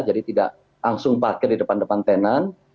jadi tidak langsung parkir di depan depan tenan